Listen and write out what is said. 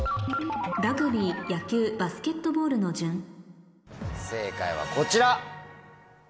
「ラグビー」「野球」「バスケットボール」の順正解はこちら！